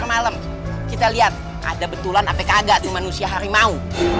kemalam kita lihat ada betulan apa enggak manusia harimau